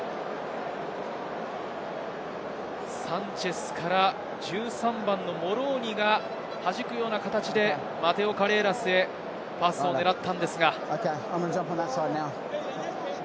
サンチェスから１３番のモローニがはじくような形でマテオ・カレーラスへ、パスを狙ったのですが。